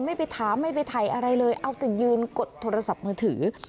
ไม่ไปถามไม่ไปถ่ายอะไรเลยเอาแต่ยืนกดโทรศัพท์มือถือ